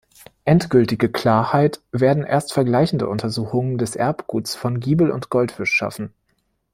Endgültige Klarheit werden erst vergleichende Untersuchungen des Erbguts von Giebel und Goldfisch schaffen.